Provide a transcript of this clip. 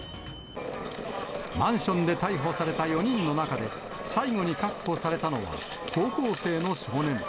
マンションで逮捕された４人の中で、最後に確保されたのは、高校生の少年。